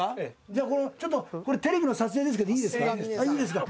じゃあちょっとテレビの撮影ですけどいいですか？